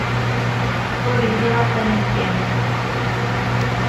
Ur yelli iɣef ara neggami.